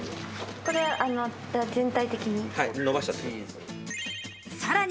これは全体的に。